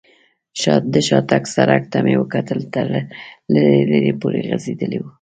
د شاتګ سړک ته مې وکتل، تر لرې لرې پورې غځېدلی و.